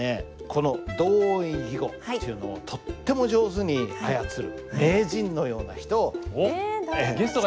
この同音異義語っていうのをとっても上手に操る名人のような人を。